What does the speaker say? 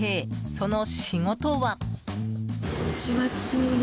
その仕事は。